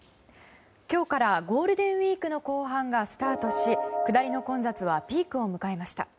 今日からゴールデンウィークの後半がスタートし下りの混雑はピークを迎えました。